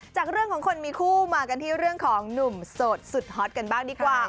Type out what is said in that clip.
จากเรื่องของคนมีคู่มากันที่เรื่องของหนุ่มโสดสุดฮอตกันบ้างดีกว่า